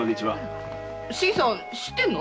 新さん知ってんの？